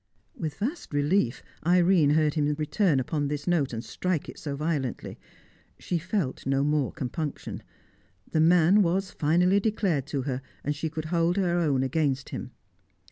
With vast relief Irene heard him return upon this note, and strike it so violently. She felt no more compunction. The man was finally declared to her, and she could hold her own against him.